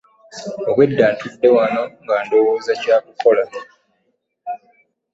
Obwedda ntudde wano nga ndowooza kyakukola.